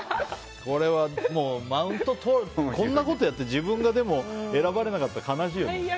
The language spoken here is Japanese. これは、もうマウントとるってこんなことをやって自分が選ばれなかったら悲しいよね。